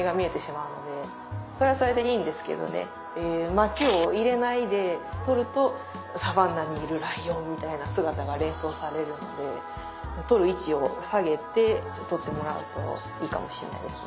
町を入れないで撮るとサバンナにいるライオンみたいな姿が連想されるので撮る位置を下げて撮ってもらうといいかもしんないです。